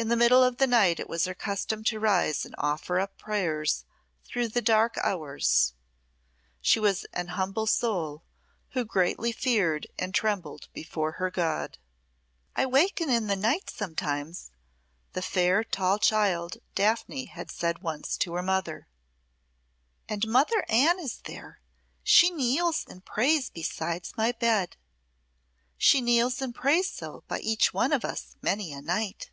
In the middle of the night it was her custom to rise and offer up prayers through the dark hours. She was an humble soul who greatly feared and trembled before her God. "I waken in the night sometimes," the fair, tall child Daphne said once to her mother, "and Mother Anne is there she kneels and prays beside my bed. She kneels and prays so by each one of us many a night."